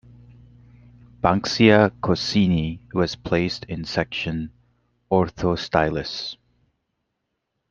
"Banksia coccinea" was placed in section "Orthostylis".